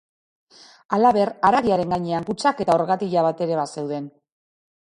Halaber, haragiaren gainean kutxak eta orgatila bat ere bazeuden.